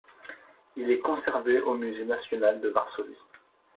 Il est conservé au musée national de Varsovie.